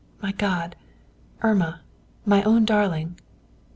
My God! Irma, my own darling!"